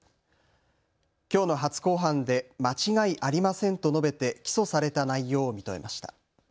きょうの初公判で間違いありませんと述べて起訴された内容を認めました。